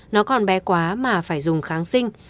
nó còn bé quá mà phải dùng kháng sinh